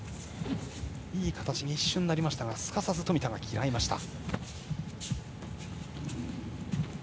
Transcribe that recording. いい形に一瞬なりましたがすかさず冨田が嫌いました。